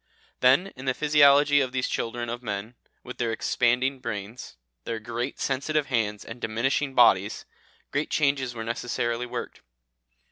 Then in the physiology of these children of men, with their expanding brains, their great sensitive hands and diminishing bodies, great changes were necessarily worked.